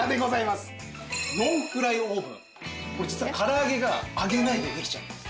これ実は唐揚げが揚げないでできちゃうんです。